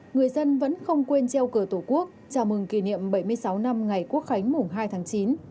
người dân vẫn không quên treo cờ tổ quốc chào mừng kỷ niệm bảy mươi sáu năm ngày quốc khánh mùng hai tháng chín